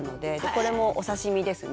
これもお刺身ですね。